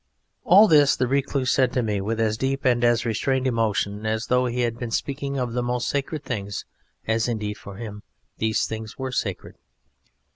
All this the Recluse said to me with as deep and as restrained emotion as though he had been speaking of the most sacred things, as indeed, for him, these things were sacred.